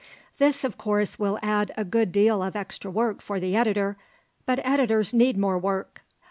This, of course, will add a good deal of extra work for the editor, but editors need more work.